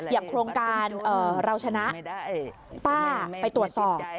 โครงการเราชนะป้าไปตรวจสอบ